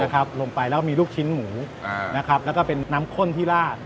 นะครับลงไปแล้วมีลูกชิ้นหมูอ่านะครับแล้วก็เป็นน้ำข้นที่ราด